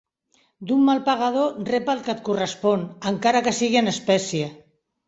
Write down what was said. D'un mal pagador rep el que et correspon, encara que sigui en espècie.